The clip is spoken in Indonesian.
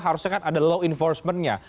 harusnya kan ada law enforcement nya